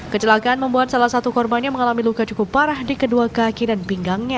kecelakaan membuat salah satu korbannya mengalami luka cukup parah di kedua kaki dan pinggangnya